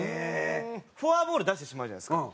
フォアボール出してしまうじゃないですか。